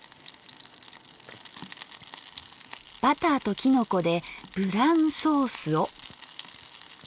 バターときのこでブランソースを。